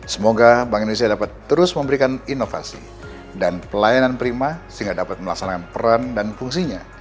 semoga bank indonesia dapat terus memberikan inovasi dan pelayanan prima sehingga dapat melaksanakan peran dan fungsinya